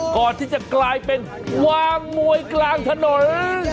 ก่อนที่จะกลายเป็นวางมวยกลางถนน